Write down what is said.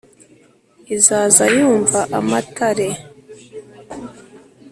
izaza yumva amatare